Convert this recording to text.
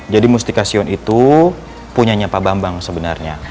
jadi mustika sion itu punya nyapa bambang sebenarnya